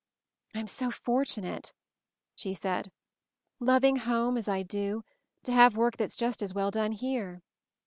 "I'm so for tunate," she said, "loving home as I do, to have work that's just as well done here."